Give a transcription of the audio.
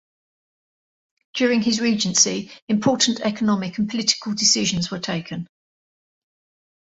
During his regency, important economic and political decisions were taken.